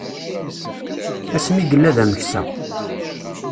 Asmi yella d ameksa.